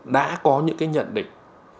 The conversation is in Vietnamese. đã có những nhận định